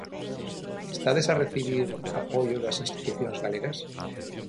Estades a recibir apoio das institucións galegas?